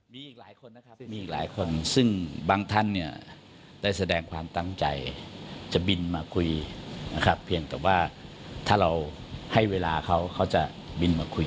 มีอีกหลายคนนะครับซึ่งบางท่านเนี่ยได้แสดงความตั้งใจจะบินมาคุยนะครับ